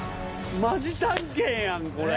マジ探検やんこれ。